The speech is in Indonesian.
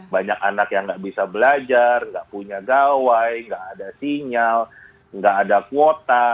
banyak anak yang tidak bisa belajar tidak punya gawai tidak ada sinyal tidak ada kuota